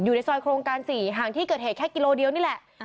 อยู่ในซอยโครงการ๔ห่างที่เกิดเหตุแค่กิโลเดียวนี่แหละ